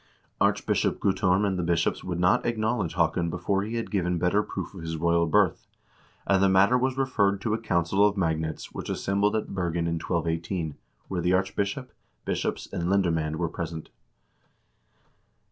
Archbishop Guttorm and the bishops would not acknowledge Haakon before he had given better proof of his royal birth, and the matter was referred to a council of magnates which was assembled at Bergen in 1218, where the archbishop, bishops, and lender mw?id were present.